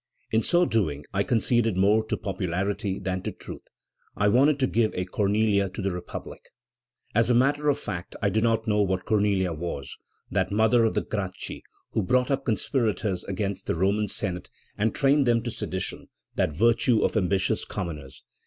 In so doing, I conceded more to popularity than to truth. I wanted to give a Cornelia to the Republic. As a matter of fact, I do not know what Cornelia was, that mother of the Gracchi who brought up conspirators against the Roman Senate, and trained them to sedition, that virtue of ambitious commoners.